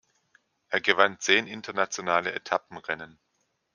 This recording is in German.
Er gewann zehn internationale Etappenrennen.